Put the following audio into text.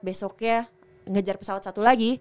besoknya ngejar pesawat satu lagi